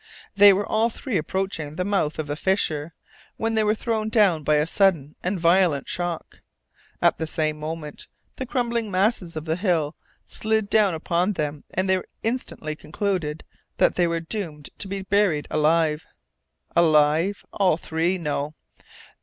They were all three approaching the mouth of the fissure, when they were thrown down by a sudden and violent shock. At the same moment the crumbling masses of the hill slid down upon them, and they instantly concluded that they were doomed to be buried alive. Alive all three? No!